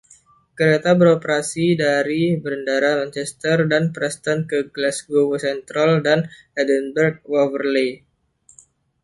Kereta beroperasi dari Bandara Manchester dan Preston ke Glasgow Central dan Edinburgh Waverley.